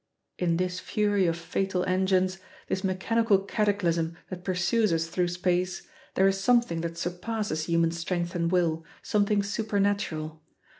In this fury of fatal engines, this mechanical cataclysm that pursues us through space, there is something that surpasses human strength and will, something supernatural.